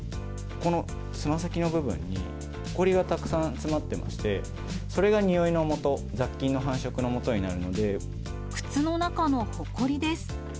このつま先の部分にほこりがたくさん詰まってまして、それが臭いのもと、雑菌の繁殖のもとに靴の中のほこりです。